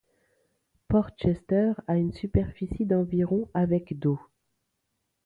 Port Chester a une superficie d'environ avec d'eau.